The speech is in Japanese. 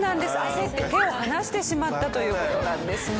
焦って手を離してしまったという事なんですね。